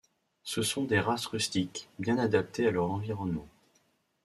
Ce sont des races rustiques, bien adaptées à leur environnement.